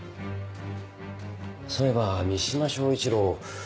そういえば三島彰一郎。